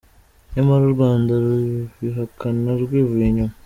Nyamara, u Rwanda rubihakana rwivuye inyuma.